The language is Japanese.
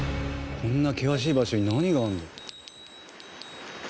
こんな険しい場所に何があるんだ？